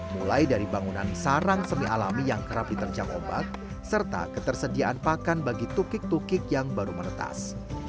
mulai dari bangunan sarang semi alami yang kerap diterjang ombak serta ketersediaan pakan bagi tukik tukik yang baru menetas